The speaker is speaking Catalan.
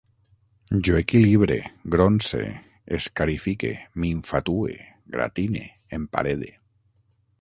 Jo equilibre, gronse, escarifique, m'infatue, gratine, emparede